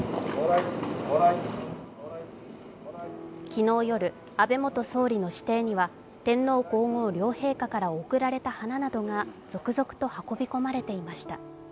昨日夜、安倍元総理の私邸には、天皇・皇后両陛下から贈られた花などが続々と運び込まれていました。